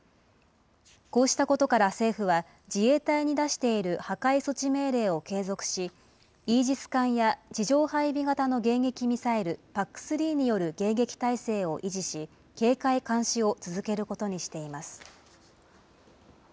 こうしたことから政府は、自衛隊に出している破壊措置命令を継続し、イージス艦や地上配備型の迎撃ミサイルＰＡＣ３による迎撃態勢を維持し、警戒監視を続けることにしています。